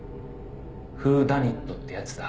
「フーダニットってやつだ」